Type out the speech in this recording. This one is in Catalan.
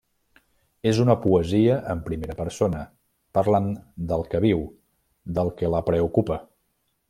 És una poesia en primera persona, parlant del que viu, del que la preocupa.